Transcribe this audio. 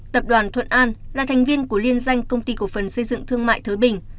tập đoàn thuận an là thành viên của liên danh công ty cổ phần xây dựng thương mại thới bình